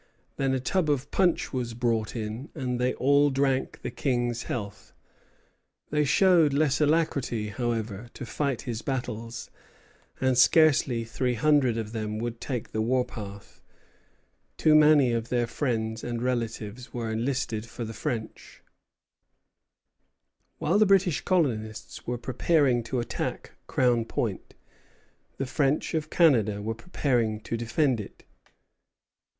Then a tub of punch was brought in, and they all drank the King's health. They showed less alacrity, however, to fight his battles, and scarcely three hundred of them would take the war path. Too many of their friends and relatives were enlisted for the French. Report of Conference between Major General Johnson and the Indians, June, 1755. While the British colonists were preparing to attack Crown Point, the French of Canada were preparing to defend it.